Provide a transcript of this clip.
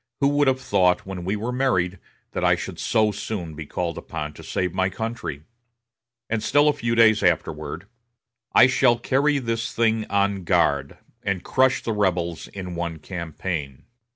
Who would have thought, when we were married, that I should so soon be called upon to save my country?" And still a few days afterward: "I shall carry this thing en grande, and crush the rebels in one campaign."